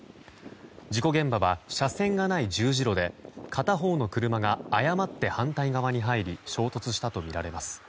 事故現場は車線がない十字路で片方の車が誤って反対側に入り衝突したとみられます。